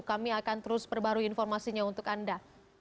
kami akan terus perbarui informasinya untuk anda